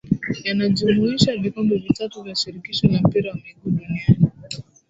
Yanajumuisha vikombe vitatu vya shirikisho la mpira wa miguu duniani